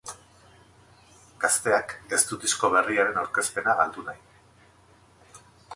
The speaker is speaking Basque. Gazteak ez du disko berriaren aurkezpena galdu nahi.